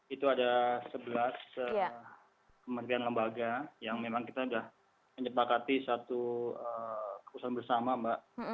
itu ada sebelas kementerian lembaga yang memang kita sudah menyepakati satu keputusan bersama mbak